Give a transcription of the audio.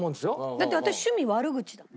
だって私趣味悪口だもん。